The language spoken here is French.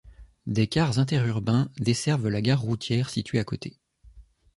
Des cars interurbains desservent la gare routière située à côté.